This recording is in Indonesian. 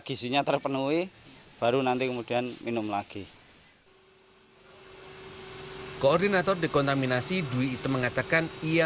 gizinya terpenuhi baru nanti kemudian minum lagi koordinator dekontaminasi dwi ite mengatakan ia